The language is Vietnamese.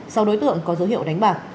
sau đối tượng có dấu hiệu đánh bạc